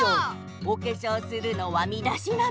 「おけしょうするのはみだしなみ」